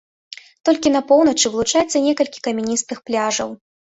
Толькі на поўначы вылучаецца некалькі камяністых пляжаў.